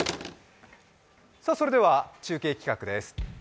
それでは中継企画です。